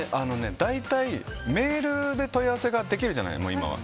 大体、メールで問い合わせができるじゃない、今は。